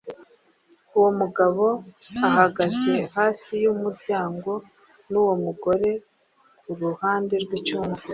Uwo mugabo uhagaze hafi yumuryango nuwo mugore kuruhande rwicyumba